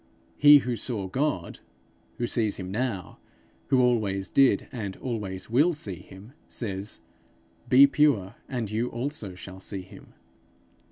He who saw God, who sees him now, who always did and always will see him, says, 'Be pure, and you also shall see him.'